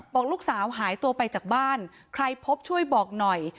บอกลูกสาวหายตัวไปจากบ้านใครพบช่วยบอกหน่อย